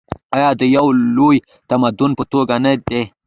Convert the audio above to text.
آیا د یو لوی تمدن په توګه نه دی؟